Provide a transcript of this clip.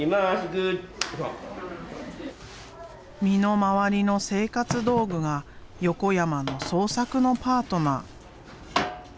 身の回りの生活道具が横山の創作のパートナー。